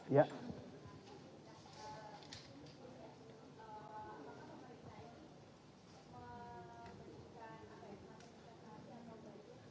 ya kondisi seperti itu